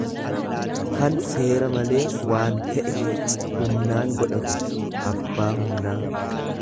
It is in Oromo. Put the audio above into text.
kan seera malee waan fe'e humnaan godhatu, abbaa humnaa.